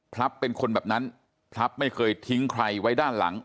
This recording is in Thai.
เป็นคนแบบนั้นพลับไม่เคยทิ้งใครไว้ด้านหลัง